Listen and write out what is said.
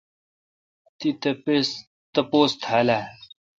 تی تاپوس تھال اؘ۔